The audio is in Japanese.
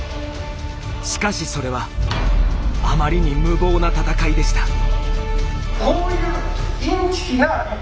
しかしそれはあまりに無謀な戦いでした。